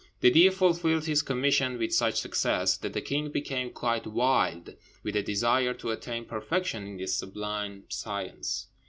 The Deev fulfilled his commission with such success that the king became quite wild with a desire to attain perfection in this sublime science.